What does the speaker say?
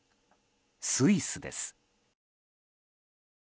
スイスです。